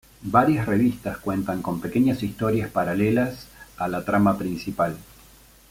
Varias revistas cuentan con pequeñas historias paralelas a la trama principal.